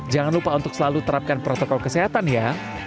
jangan lupa untuk selalu terapkan protokol kesehatan ya